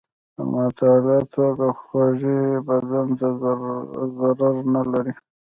په معتدله توګه خوږې بدن ته ضرر نه لري.